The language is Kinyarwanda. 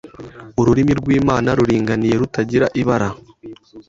Ururimi rwImana "ruringaniye rutagira ibara